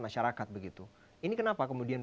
masyarakat begitu ini kenapa kemudian